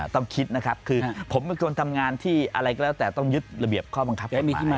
ต้องคิดนะครับคือผมเป็นคนทำงานที่อะไรก็แล้วแต่ต้องยึดระเบียบข้อบังคับให้มีที่มา